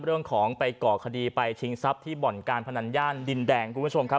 เรื่องของไปก่อคดีไปชิงทรัพย์ที่บ่อนการพนันย่านดินแดงคุณผู้ชมครับ